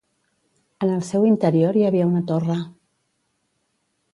En el seu interior hi havia una torre.